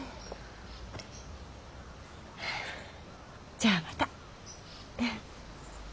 じゃあまた。